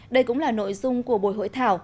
đây cũng là nội dung của bộ hội thảo